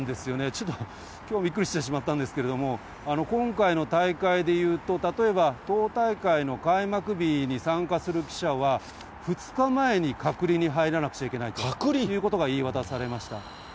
ちょっときょうびっくりしてしまったんですけれども、今回の大会でいうと、例えば党大会の開幕日に参加する記者は、２日前に隔離に入らなくちゃいけないということが言い渡されました。